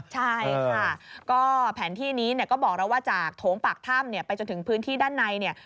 ใช่ค่ะก็แผนที่นี้ก็บอกเราว่าจากโถงปากถ้ำไปจนถึงพื้นที่ด้านใน